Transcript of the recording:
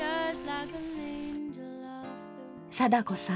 貞子さん